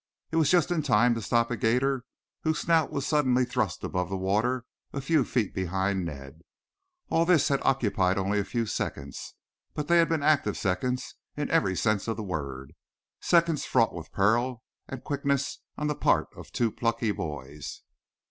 It was just in time to stop a 'gator whose snout was suddenly thrust above the water a few feet behind Ned. All this had occupied only a few seconds, but they had been active seconds in every sense of the word, seconds fraught with peril and quickness on the part of two plucky boys.